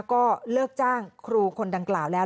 ก็เลิกจ้างครูคนดังกล่าวแล้ว